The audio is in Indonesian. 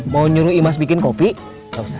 mau nyuruh imas bikin kopi gak usah